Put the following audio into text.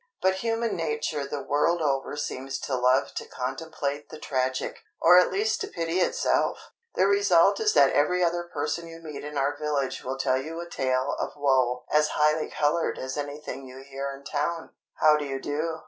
But human nature the world over seems to love to contemplate the tragic, or at least to pity itself! The result is that every other person you meet in our village will tell you a tale of woe as highly coloured as anything you hear in town. "How do you do?"